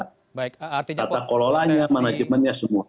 tata kololanya manajemennya semua